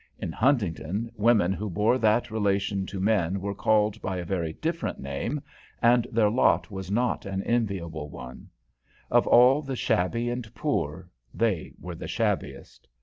In Huntington, women who bore that relation to men were called by a very different name, and their lot was not an enviable one; of all the shabby and poor, they were the shabbiest.